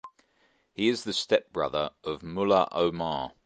He is the stepbrother of Mullah Omar.